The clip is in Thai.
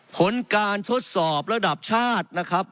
ผลการทดสอบระดับชาตินะครับ